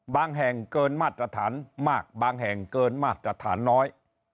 แห่งเกินมาตรฐานมากบางแห่งเกินมาตรฐานน้อย